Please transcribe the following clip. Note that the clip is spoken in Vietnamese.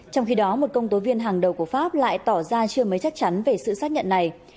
trong khi đó một công tố viên hàng đầu của pháp lại tỏ ra chưa mấy chắc chắn về sự xác nhận này